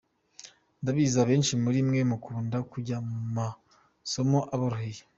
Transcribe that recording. Ndabizi abenshi muri mwe mukunda kujya mu masomo aboroheye.